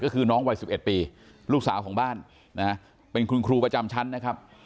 ก็คือน้องวัย๑๑ปีลูกสาวของบ้านนะฮะเป็นคุณครูประจำชั้นนะครับ